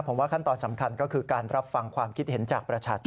ผมว่าขั้นตอนสำคัญก็คือการรับฟังความคิดเห็นจากประชาชน